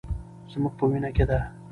زموږ په وینه کې ده.